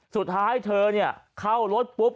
สุดท้ายเธอเข้ารถปุ๊บ